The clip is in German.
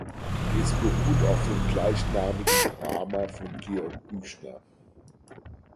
Es beruht auf dem gleichnamigen Drama von Georg Büchner.